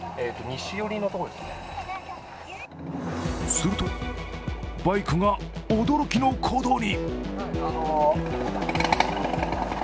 するとバイクが驚きの行動に。